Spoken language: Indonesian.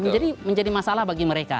jadi menjadi masalah bagi mereka